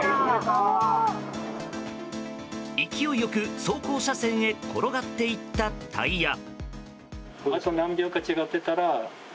勢いよく走行車線へ転がっていったタイヤ。